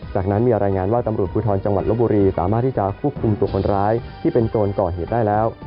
จากนั้นมีรายงานว่าตำรวจภูทรจังหวัดลบบุรีสามารถที่จะควบคุมตัวคนร้ายที่เป็นโจรก่อเหตุได้แล้ว